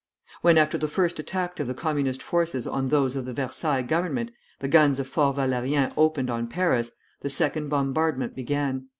When, after the first attack of the Communist forces on those of the Versailles Government, the guns of Fort Valérien opened on Paris, the second bombardment began.